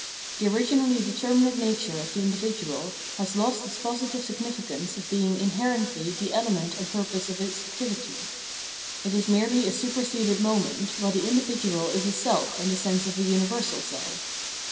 The originally determinate nature of the individual has lost its positive significance of being inherently the element and purpose of his activity ; it is merely a superseded moment, while the individual is a self in the sense of a universal self.